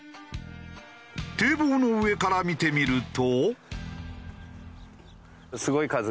堤防の上から見てみると。